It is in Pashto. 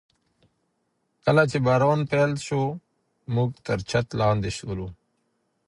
کله چي باران پیل سو، موږ تر چت لاندي سولو.